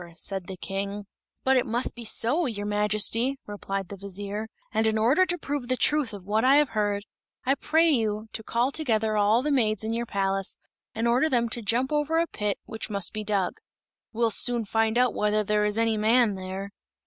said the King. "But it must be so, your Majesty," replied the vizier; "and in order to prove the truth of what I have heard, I pray you to call together all the maids in your palace and order them to jump over a pit, which must be dug. We'll soon find out whether there is any man there."